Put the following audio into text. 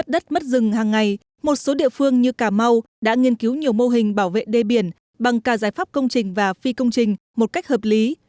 đất mất rừng hàng ngày một số địa phương như cà mau đã nghiên cứu nhiều mô hình bảo vệ đê biển bằng cả giải pháp công trình và phi công trình một cách hợp lý